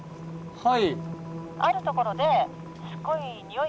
はい。